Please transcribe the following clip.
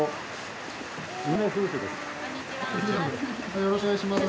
よろしくお願いします。